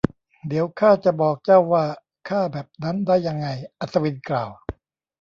เดี๋ยวข้าจะบอกเจ้าว่าข้าแบบนั้นได้ยังไง อัศวินกล่าว